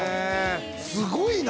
◆すごいな！